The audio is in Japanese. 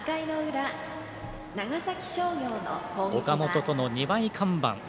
岡本との２枚看板。